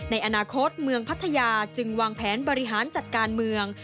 ในอนาคตเมืองพัทยาจึงวางแผนบริหารจัดการเมือง